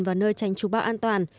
vào nơi tránh trú báo an toàn